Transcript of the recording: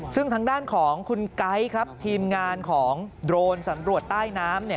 ซึ่งทางด้านของคุณไก๊ครับทีมงานของโดรนสำรวจใต้น้ำเนี่ย